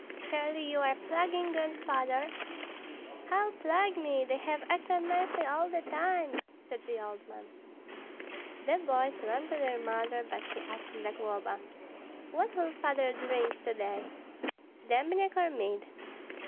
Surely you are plaguing Grandfather?" "How plague me! They have acted nicely all the time," said the old man. The boys ran to their mother; but she asked Zagloba, "What will Father drink to day, dembniak or mead?"